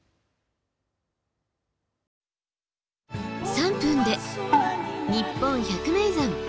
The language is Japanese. ３分で「にっぽん百名山」。